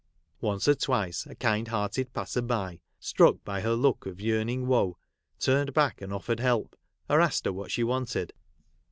Once or twice a kind hearted passer by, struck by her look of yearning woe, turned back and offered help, or asked her what she wanted.